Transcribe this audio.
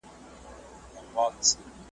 شپه له سپوږمۍ څخه ساتم جانانه هېر مي نه کې `